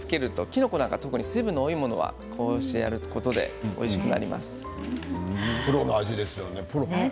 きのこなんか特に水分の多いものはこうしてプロの味ですよね。